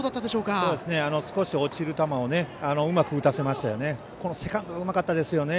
少し落ちる球をうまく打たせましたよね。